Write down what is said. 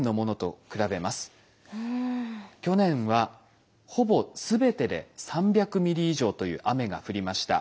去年はほぼ全てで３００ｍｍ以上という雨が降りました。